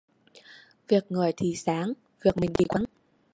Việc người thì sáng, việc mình thì quáng